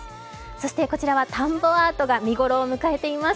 そしてこちらは田んぼアートが見頃を迎えています。